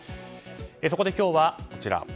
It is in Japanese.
そこで今日はこちら。